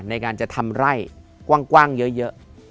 ในการจะทำไร่กว้างเยอะ